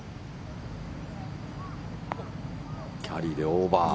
キャリーでオーバー。